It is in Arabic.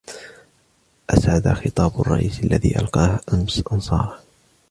أسعد خطابُ الرئيس الذي ألقاه أمس أنصاره.